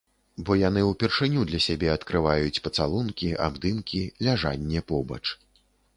Бо яны ўпершыню для сябе адкрываюць пацалункі, абдымкі, ляжанне побач.